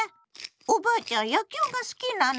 「おばあちゃん野球が好きなの？」